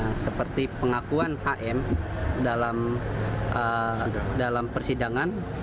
nah seperti pengakuan hm dalam persidangan